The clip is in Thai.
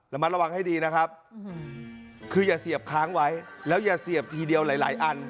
ระมัดระวังให้ดีนะครับคืออย่าเสียบค้างไว้แล้วอย่าเสียบทีเดียวหลายอัน